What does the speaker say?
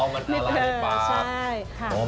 อ๋อมันละลายในปากนิดเดียวใช่